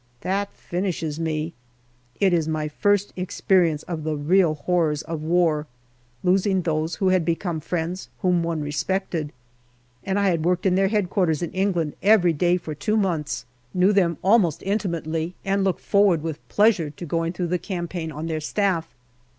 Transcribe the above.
That finishes me. It is my first ex perience of the real horrors of war losing those who had become friends, whom one respected. And I had worked in their headquarters in England every day for two months, 38 GALLIPOLI DIARY knew them almost intimately, and looked forward with pleasure to going through the campaign on their Staff.